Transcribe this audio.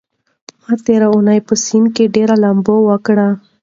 ما تېره اونۍ په سيند کې ډېره لامبو وکړه.